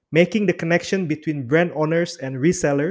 membuat koneksi antara pemilik brand dan penjualan